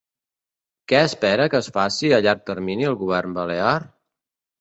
Què espera que es faci a llarg termini el govern balear?